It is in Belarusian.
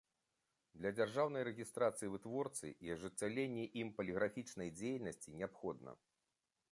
Для дзяржаўнай рэгiстрацыi вытворцы i ажыццяўлення iм палiграфiчнай дзейнасцi неабходна.